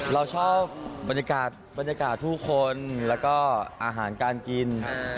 เราชอบบรรยากาศทุกคนแล้วก็อาหารการกิน